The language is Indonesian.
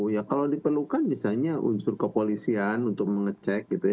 ya kalau diperlukan misalnya unsur kepolisian untuk mengecek gitu ya